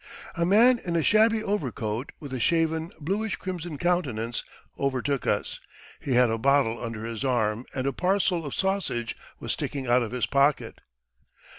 A man in a shabby overcoat, with a shaven, bluish crimson countenance, overtook us. He had a bottle under his arm and a parcel of sausage was sticking out of his pocket.